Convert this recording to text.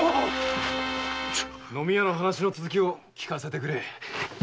飲み屋の話の続きを聞かせてくれ。